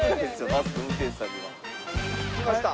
バスの運転士さんには。来ました。